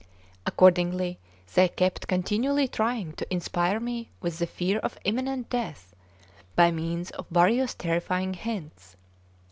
Accordingly, they kept continually trying to inspire me with the fear of imminent death by means of various terrifying hints.